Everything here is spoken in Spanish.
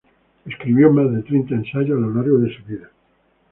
Escribió más de treinta ensayos a lo largo de su vida.